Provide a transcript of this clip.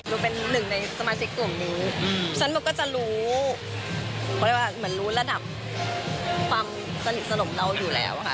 เป็นหนึ่งในสมาชิกกลุ่มนี้ฉันโบก็จะรู้เขาเรียกว่าเหมือนรู้ระดับความสนิทสนมเราอยู่แล้วค่ะ